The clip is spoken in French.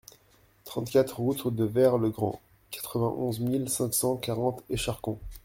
trente-quatre route de Vert le Grand, quatre-vingt-onze mille cinq cent quarante Écharcon